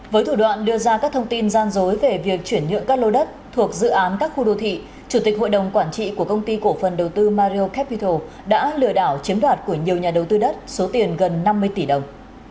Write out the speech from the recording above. với thủ đoạn đưa ra các thông tin gian dối về việc chuyển nhượng các lô đất thuộc dự án các khu đô thị chủ tịch hội đồng quản trị của công ty cổ phần đầu tư mario capital đã lừa đảo chiếm đoạt của nhiều nhà đầu tư đất số tiền gần năm mươi tỷ đồng